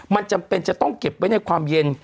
มันจำเป็นจะต้องเก็บไว้ในความเย็น